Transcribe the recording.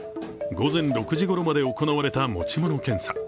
午前６時ごろまで行われた持ち物検査。